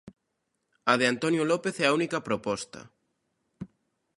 A de Antonio López é a única proposta.